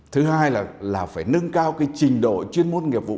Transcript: thứ hai là phải nâng cao cái trình độ chuyên môn nghiệp vụ